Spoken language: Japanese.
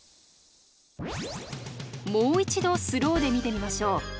もう一度スローで見てみましょう。